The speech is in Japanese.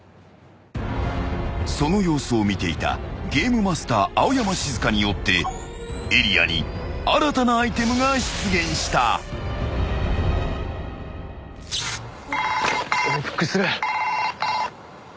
［その様子を見ていたゲームマスター青山シズカによってエリアに新たなアイテムが出現した］びっくりする。